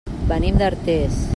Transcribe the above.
Venim d'Artés.